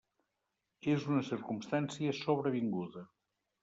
És una circumstància sobrevinguda.